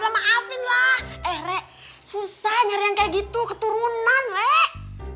lo maafin lah eh rek susah nyari yang kayak gitu keturunan rek